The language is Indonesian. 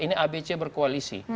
ini abc berkoalisi